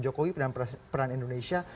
jokowi peran indonesia